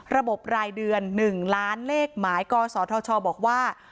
รายเดือน๑ล้านเลขหมายกศธชบอกว่า